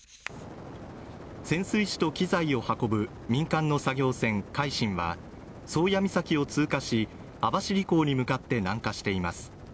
潜水機材を運ぶ民間の作業船「海進」は宗谷岬を通過し網走港に向かって南下しています